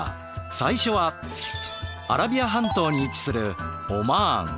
最初はアラビア半島に位置するオマーン。